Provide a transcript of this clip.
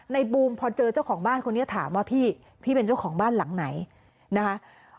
บูมพอเจอเจ้าของบ้านคนนี้ถามว่าพี่พี่เป็นเจ้าของบ้านหลังไหนนะคะ